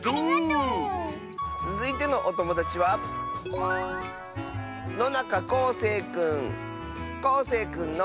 つづいてのおともだちはこうせいくんの。